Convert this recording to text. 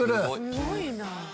すごいな。